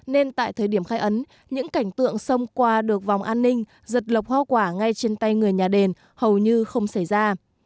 nên tại thời điểm khai ấn những cảnh tượng sông qua được vòng an ninh giật lọc hoa quả ngay trên tay người nhà đền hầu như không xảy ra